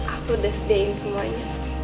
aku udah sediain semuanya